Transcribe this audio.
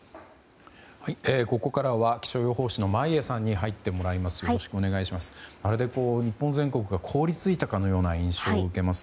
ここからは気象予報士の眞家さんに入ってもらいます。